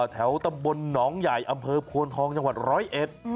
แถวตำบลหนองใหญ่อำเภอโพนทองจังหวัดร้อยเอ็ด